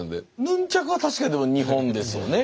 ヌンチャクは確かにでも日本ですよね。